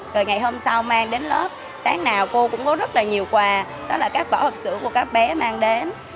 rồi ngày hôm sau mang đến lớp sáng nào cô cũng có rất là nhiều quà đó là các vỏ hộp sữa của các bé mang đến